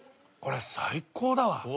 これ最高だわ。